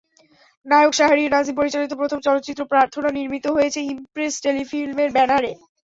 নায়ক শাহরিয়ার নাজিম পরিচালিত প্রথম চলচ্চিত্র প্রার্থনা নির্মিত হয়েছে ইমপ্রেস টেলিফিল্মের ব্যানারে।